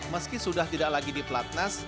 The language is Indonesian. meski sudah tidak lagi di pelatnas